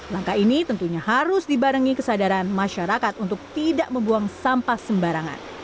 langkah ini tentunya harus dibarengi kesadaran masyarakat untuk tidak membuang sampah sembarangan